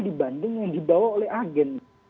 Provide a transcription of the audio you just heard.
dibanding yang dibawa oleh agen